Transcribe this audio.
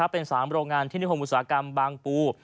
เป็นสามโรงงานที่นิคมงศากรรมบางปู